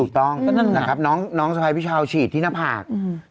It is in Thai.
ถูกต้องนะครับน้องสะพายพี่เช้าฉีดที่หน้าผาก